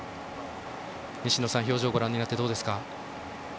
西野さん、表情をご覧になってどうですか。